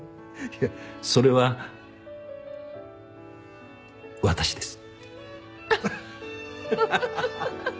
いやそれは私です。